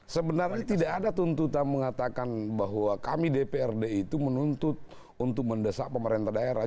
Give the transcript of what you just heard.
sebenarnya tidak ada tuntutan mengatakan bahwa kami dprd itu menuntut untuk mendesak pemerintah daerah